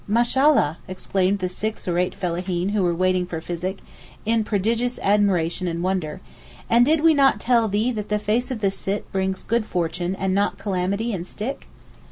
'Mashallah!' exclaimed the six or eight fellaheen who were waiting for physic, in prodigious admiration and wonder; 'and did we not tell thee that the face of the Sitt brings good fortune and not calamity and stick?